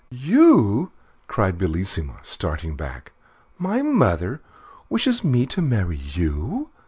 "You!" cried Bellissima, starting back. "My mother wishes me to marry you!